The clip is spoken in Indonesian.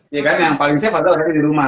iya kan yang paling safe adalah orangnya di rumah